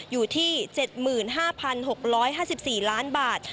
อยู่ที่๗๕๖๕๔ล้านบาท